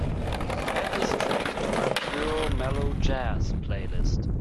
add this track to my Pure Mellow Jazz playlist